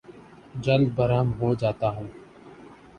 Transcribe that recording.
جلد برہم ہو جاتا ہوں